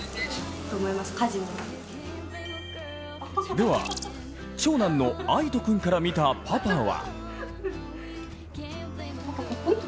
では、長男の逢叶君から見たパパは？